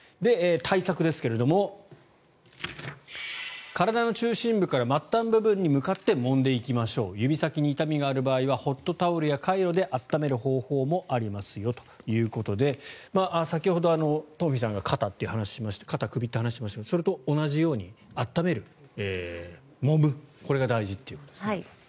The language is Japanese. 対策ですが、体の中心部から末端部分に向かってもんでいきましょう指先に痛みがある場合はホットタオルやカイロで温める方法もありますよということで先ほど、トンフィさんが肩、首という話をしましたがそれと同じように温める、もむこれが大事ということですね。